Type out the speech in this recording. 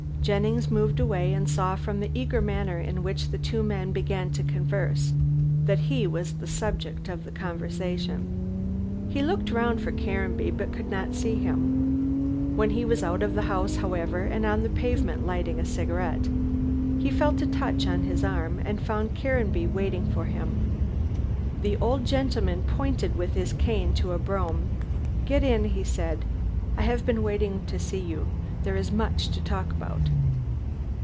Jennings moved away and saw from the eager manner in which the two men began to converse that he was the subject of the conversation. He looked round for Caranby, but could not see him. When he was out of the house, however, and on the pavement lighting a cigarette, he felt a touch on his arm and found Caranby waiting for him. The old gentleman pointed with his cane to a brougham! "Get in," he said, "I have been waiting to see you. There is much to talk about."